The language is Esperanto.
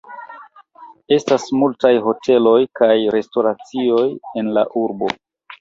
Estas multaj hoteloj kaj restoracioj en la urbo.